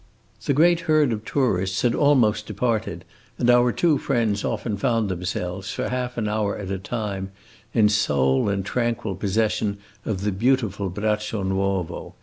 The great herd of tourists had almost departed, and our two friends often found themselves, for half an hour at a time, in sole and tranquil possession of the beautiful Braccio Nuovo.